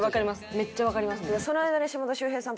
めっちゃわかります。